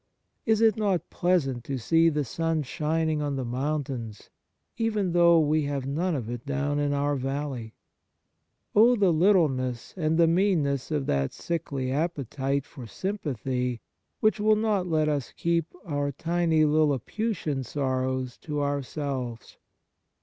Is it not pleasant to see the sun shining on the mountains, even though we have none of it down in our valley ? Oh the littleness and the meanness of that sickly appetite for sympathy which will not let us keep our tiny Lilliputian sorrows to ourselves